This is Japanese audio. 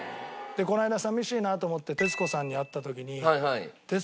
この間寂しいなと思って徹子さんに会った時に。